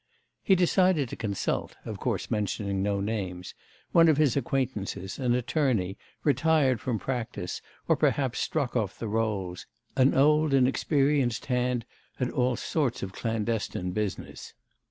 He decided to consult (of course mentioning no names) one of his acquaintances, an attorney, retired from practice, or perhaps struck off the rolls, an old and experienced hand at all sorts of clandestine business.